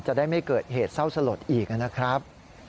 จะได้ไม่เกิดเหตุเศร้าสลดอีกนะครับ